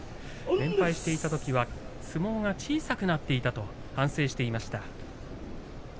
連敗していたときは相撲が小さくなっていたと反省していました。